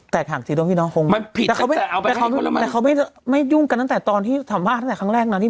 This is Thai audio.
แต่เขาไม่ยุ่งกันติดตอนสำบากตอนครั้งแรกนะ